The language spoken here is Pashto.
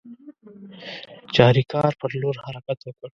چاریکار پر لور حرکت وکړ.